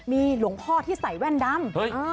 มีหลวงพ่อที่ใส่แว่นดำ